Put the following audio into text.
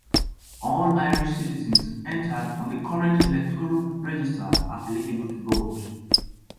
All Irish citizens entered on the current electoral register are eligible to vote.